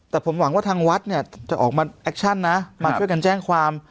แต่ผมหวังว่าทางวัดเนี่ยจะออกมาแอคชั่นนะมาช่วยกันแจ้งความ